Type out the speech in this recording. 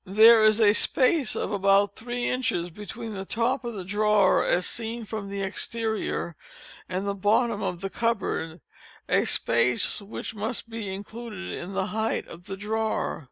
There is a space of about three inches between the top of the drawer as seen from the exterior, and the bottom of the cupboard—a space which must be included in the height of the drawer.